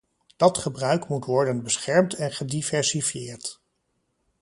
Dat gebruik moet worden beschermd en gediversifieerd.